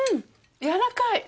やわらかい。